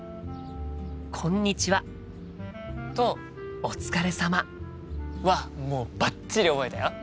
「こんにちは」と「お疲れ様」はもうバッチリ覚えたよ。